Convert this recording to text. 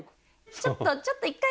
ちょっとちょっと１回。